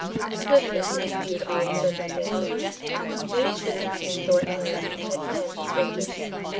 Swiftly he reviewed all the circumstances. Ling Chu had seen Thornton Lyne and had planned his vengeance.